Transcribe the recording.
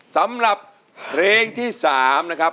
สำหรับเพลงที่๓นะครับ